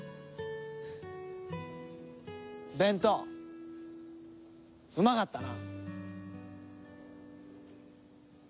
弁当うまかったな。